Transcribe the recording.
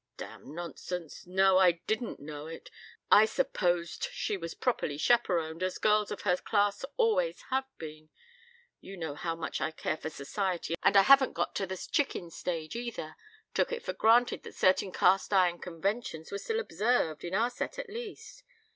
"Damn nonsense. No, I didn't know it. I supposed she was properly chaperoned, as girls of her class always have been. You know how much I care for Society, and I haven't got to the chicken stage either. Took it for granted that certain cast iron conventions were still observed, in our set at least.